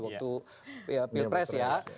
waktu pilpres ya